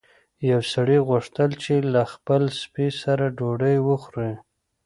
یو سړي غوښتل چې له خپل سپي سره ډوډۍ وخوري.